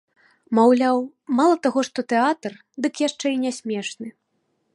Маўляў, мала таго, што тэатр, дык яшчэ і не смешны.